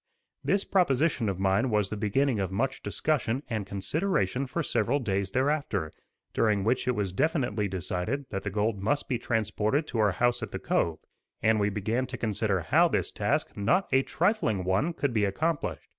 This proposition of mine was the beginning of much discussion and consideration for several days thereafter, during which it was definitely decided that the gold must be transported to our house at the cove; and we began to consider how this task, not a trifling one, could be accomplished.